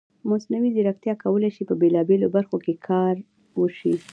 مصنوعي ځیرکتیا کولی شي په بېلابېلو برخو کې کار وشي.